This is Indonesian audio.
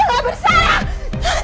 jangan tangkap saya saya gak bersalah